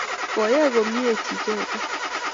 Koyai komnye chi chotok